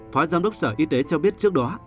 phó giám đốc sở y tế cho biết trước đó